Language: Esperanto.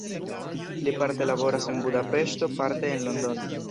Li parte laboras en Budapeŝto, parte en Londono.